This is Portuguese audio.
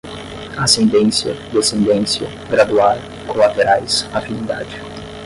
ascendência, descendência, graduar, colaterais, afinidade